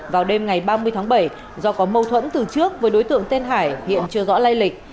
vào đêm ngày ba mươi tháng bảy do có mâu thuẫn từ trước với đối tượng tên hải hiện chưa rõ lây lịch